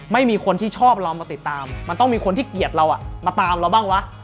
ไม่มีคนที่ชอบเรามาติดตามมันต้องมีคนที่เกลียดเรามาตามเราบ้างวะ